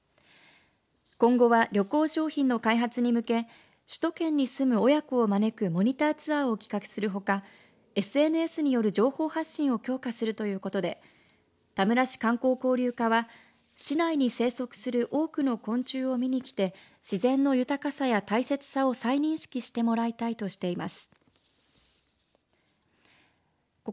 今後は、旅行商品の開発に向け首都圏に住む親子を招くモニターツアーを企画するほかＳＮＳによる情報発信を強化するということで田村市観光交流課は市内に生息する多くの昆虫を見に来て自然の豊かさや大切さを再認識無してもらいたいとしています。